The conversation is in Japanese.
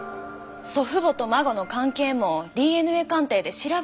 祖父母と孫の関係もＤＮＡ鑑定で調べられるんや。